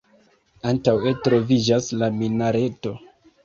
Antaŭe troviĝas la minareto.